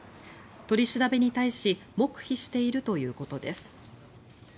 取り調べに対し黙秘しているということです。